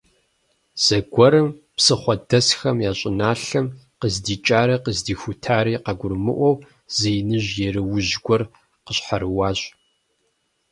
Зэгуэрым псыхъуэдэсхэм я щӀыналъэм, къыздикӀари къыздихутари къагурымыӀуэу, зы иныжь еруужь гуэр къищхьэрыуащ.